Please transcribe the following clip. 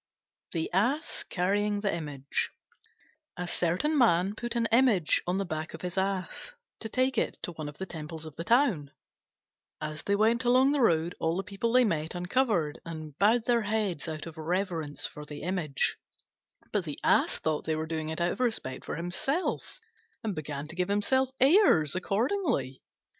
THE ASS CARRYING THE IMAGE A certain man put an Image on the back of his Ass to take it to one of the temples of the town. As they went along the road all the people they met uncovered and bowed their heads out of reverence for the Image; but the Ass thought they were doing it out of respect for himself, and began to give himself airs accordingly.